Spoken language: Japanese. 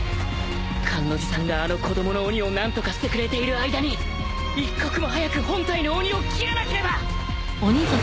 甘露寺さんがあの子供の鬼を何とかしてくれている間に一刻も早く本体の鬼を斬らなければ！